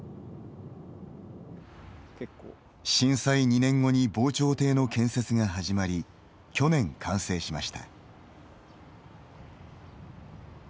震災２年後に防潮堤の建設が始まり去年完成しました。